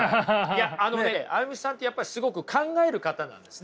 いやあのねＡＹＵＭＩさんってやっぱりすごく考える方なんですね。